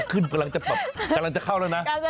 กำลังจะแบบกำลังจะเข้าแล้วนะ